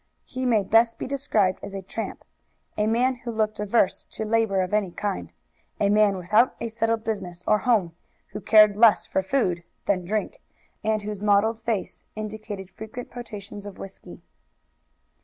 He may best be described as a tramp, a man who looked averse to labor of any kind, a man without a settled business or home, who cared less for food than drink, and whose mottled face indicated frequent potations of whisky.